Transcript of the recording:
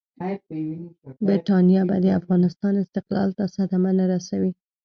برټانیه به د افغانستان استقلال ته صدمه نه رسوي.